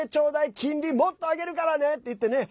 金利もっと上げるからね！っていってね